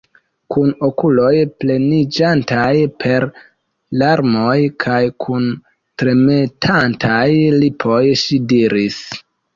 Kun okuloj pleniĝantaj per larmoj kaj kun tremetantaj lipoj ŝi diris: